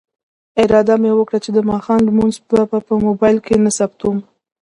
اراده مې وکړه چې د ماښام لمونځ به په موبایل کې ثبتوم.